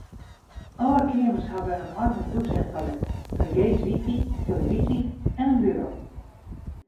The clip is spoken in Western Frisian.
Alle keamers hawwe in eigen dûs en toilet, fergees wifi, tillefyzje en in buro.